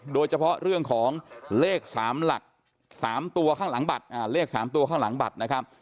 โดยเฉพาะเรื่องของเลข๓หลัก๓ตัวข้างหลังบัตร